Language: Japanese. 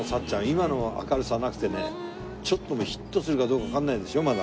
今の明るさはなくてねちょっとヒットするかどうかわかんないでしょまだ。